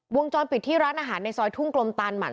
วงจรปิดที่ร้านอาหารในซอยทุ่งกลมตานหมั่น